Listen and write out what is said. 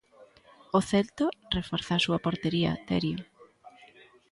O Celta reforza a súa portería, Terio.